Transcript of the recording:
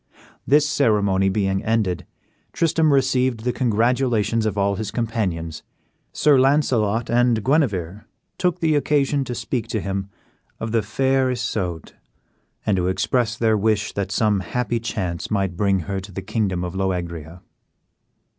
This ceremony being ended, Tristram received the congratulations of all his companions. Sir Launcelot and Guenever took the occasion to speak to him of the fair Isoude, and to express their wish that some happy chance might bring her to the kingdom of Loegria.